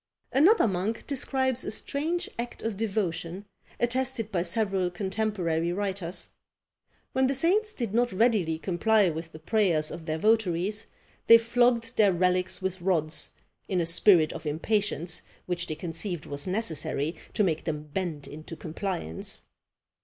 Another monk describes a strange act of devotion, attested by several contemporary writers. When the saints did not readily comply with the prayers of their votaries, they flogged their relics with rods, in a spirit of impatience which they conceived was necessary to make them bend into compliance.